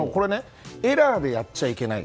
エラーでやっちゃいけない。